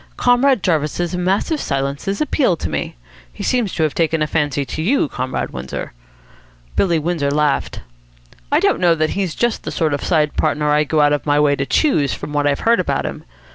Comrade Jarvis's massive silences appeal to me. He seems to have taken a fancy to you, Comrade Windsor." Billy Windsor laughed. "I don't know that he's just the sort of side partner I'd go out of my way to choose, from what I've heard about him.